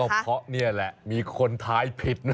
เพราะนี่แหละมีคนทายผิดนะ